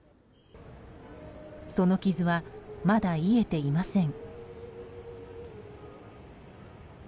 その傷は、まだ癒えていません。